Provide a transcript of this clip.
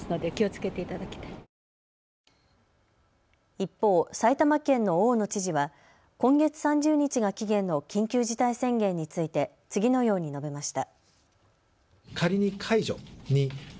一方、埼玉県の大野知事は今月３０日が期限の緊急事態宣言について次のように述べました。